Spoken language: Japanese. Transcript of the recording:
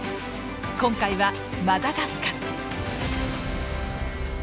今回はマダガスカル。